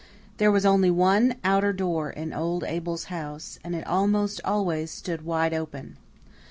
There was only one outer door in old Abel's house, and it almost always stood wide open.